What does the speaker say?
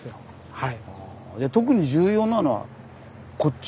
はい。